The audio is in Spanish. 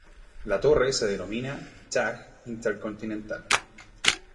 La Torre se denomina Taj Intercontinental.